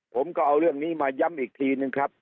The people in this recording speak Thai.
ผมก็เอาเรื่องนี้มาย้ำอีกทีนึงครับ